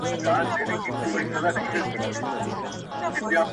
ځه زړې توبې تازه کو د مغان د خُم تر څنګه,